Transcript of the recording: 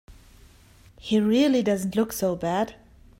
He really doesn't look so bad.